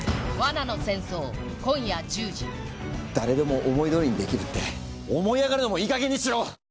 誰でも思いどおりにできるって思い上がるのもいい加減にしろ。